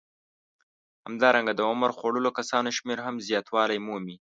همدارنګه د عمر خوړلو کسانو شمېر هم زیاتوالی مومي